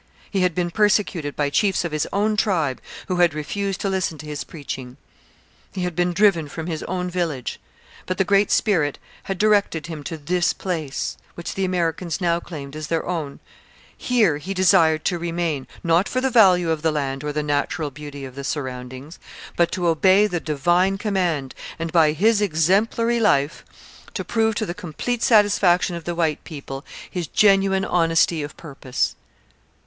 He had been persecuted by chiefs of his own tribe who had refused to listen to his preaching. He had been driven from his own village. But the Great Spirit had directed him to this place, which the Americans now claimed as their own, Here he desired to remain, not for the value of the land or the natural beauty of the surroundings, but to obey the divine command, and by his exemplary life to prove to the complete satisfaction of the white people his genuine honesty of purpose.